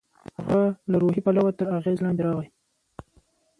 هغه له روحي پلوه تر اغېز لاندې راغی.